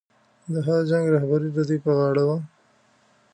د هر جنګ رهبري د دوی پر غاړه وه.